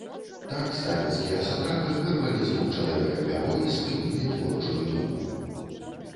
Так сталінскія сатрапы вырвалі з рук чалавека пяро і спынілі творчую думку.